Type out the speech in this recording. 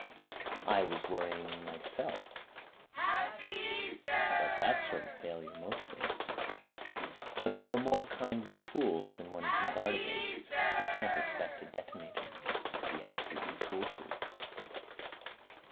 I was worrying myself about that sort of failure mostly. But there are more kinds of fools than one can guard against. You can't expect a detonator to be absolutely fool proof."